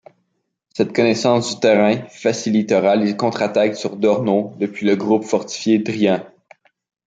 Cette connaissance du terrain facilitera les contre-attaques sur Dornot depuis le groupe fortifié Driant.